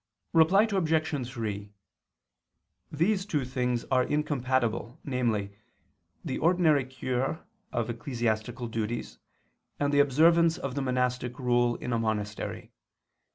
Reply Obj. 3: These two things are incompatible, namely, the ordinary cure of ecclesiastical duties, and the observance of the monastic rule in a monastery.